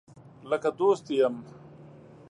لکه دوست دي یم